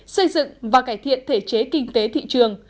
xây dựng và cải thiện thể chế kinh tế thị trường